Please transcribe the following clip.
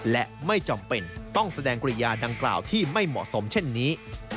และไม่จำเป็นต้องแสดงกริยาดังกล่าวที่ไม่เหมาะสมเช่นนี้